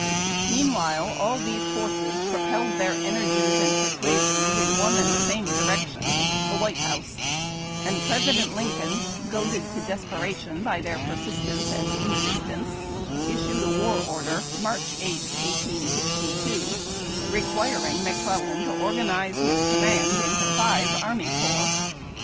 Meanwhile all these forces propelled their energies and persuasions in one ^,,nd the same direction, the White House ; and President Lincoln, goaded to desperation by their persistence and insistence, issued a War Order March 8, 1862, requiring McClellan to organize his command into five Army Corps.